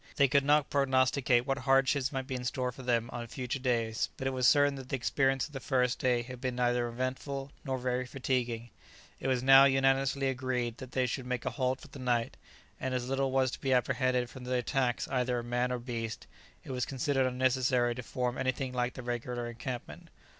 They could not prognosticate what hardships might be in store for them on future days, but it was certain that the experiences of the first day had been neither eventful nor very fatiguing. It was now unanimously agreed that they should make a halt for the night, and as little was to be apprehended from the attacks either of man or beast, it was considered unnecessary to form anything like a regular encampment.